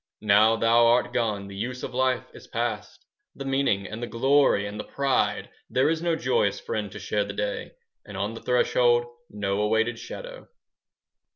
Now thou art gone the use of life is past, 5 The meaning and the glory and the pride, There is no joyous friend to share the day, And on the threshold no awaited shadow.